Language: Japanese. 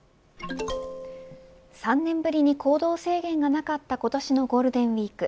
３年ぶりに行動制限がなかった今年のゴールデンウイーク。